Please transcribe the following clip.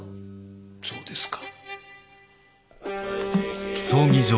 そうですか。